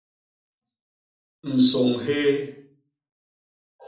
Nsôñ hyéé.